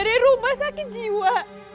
aku ingin ketemu dengan dia